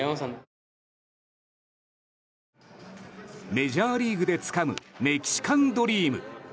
メジャーリーグでつかむメキシカンドリーム。